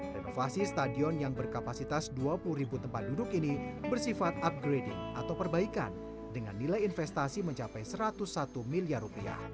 renovasi stadion yang berkapasitas dua puluh ribu tempat duduk ini bersifat upgrading atau perbaikan dengan nilai investasi mencapai rp satu ratus satu miliar